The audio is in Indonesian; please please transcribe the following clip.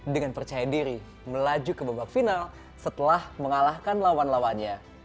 dengan percaya diri melaju ke babak final setelah mengalahkan lawan lawannya